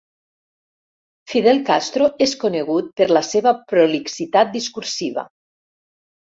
Fidel Castro és conegut per la seva prolixitat discursiva.